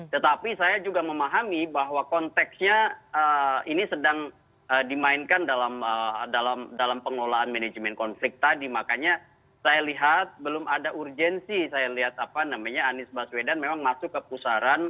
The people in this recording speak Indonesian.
tetapi saya juga memahami bahwa konteksnya ini sedang dimainkan dalam pengelolaan manajemen konflik tadi makanya saya lihat belum ada urgensi saya lihat apa namanya anies baswedan memang masuk ke pusaran